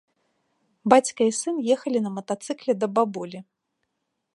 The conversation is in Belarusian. Бацька і сын ехалі на матацыкле да бабулі.